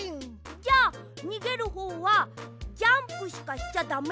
じゃにげるほうはジャンプしかしちゃだめ。